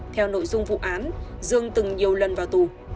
theo nội dung vụ án dương từng nhiều lần vào tù